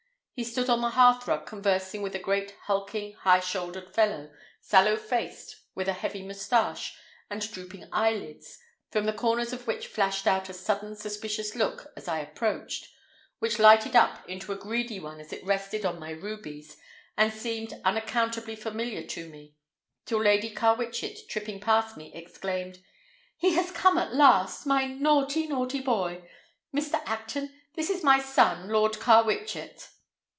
He stood on the hearthrug conversing with a great hulking, high shouldered fellow, sallow faced, with a heavy mustache and drooping eyelids, from the corners of which flashed out a sudden suspicious look as I approached, which lighted up into a greedy one as it rested on my rubies, and seemed unaccountably familiar to me, till Lady Carwitchet tripping past me exclaimed: "He has come at last! My naughty, naughty boy! Mr. Acton, this is my son, Lord Carwitchet!"